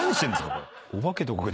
これ。